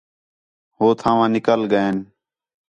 ہو تھاواں نِکل ڳئین